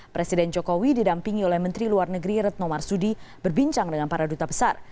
presiden jokowi didampingi oleh menteri luar negeri retno marsudi berbincang dengan para duta besar